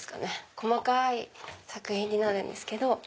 細かい作品になるんですけど。